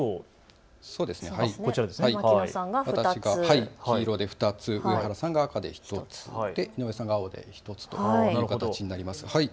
私が黄色で２つ、井上さんが青で１つ、上原さんが赤で１つという形になります。